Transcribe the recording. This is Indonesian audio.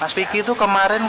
mas vicky itu kembali ke rumah